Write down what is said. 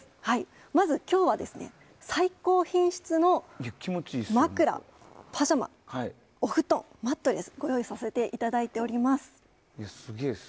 まず、今日は最高品質の枕パジャマ、お布団、マットレスをご用意させていただいております。